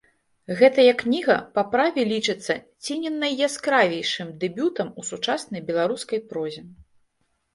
Гэтая кніга па праве лічыцца ці не найяскравейшым дэбютам у сучаснай беларускай прозе.